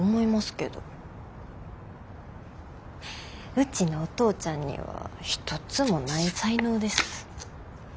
うちのお父ちゃんには一つもない才能です。